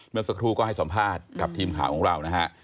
เมื่อสักครู่ก็ให้สัมภาษณ์กับทีมข่าวของเรานะฮะ